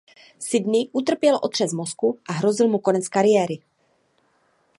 Sidney utrpěl otřes mozku a hrozil mu konec kariéry.